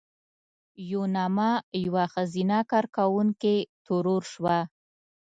یوناما یوه ښځینه کارکوونکې ترور شوه.